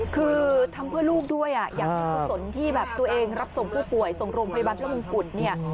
คือทำเพื่อลูกด้วยอยากมีกุศลที่แบบตัวเองรับส่งผู้ป่วยส่งโรงพยาบาลพระมงกุฎเนี่ย